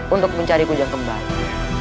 untuk mencari kunjung kembali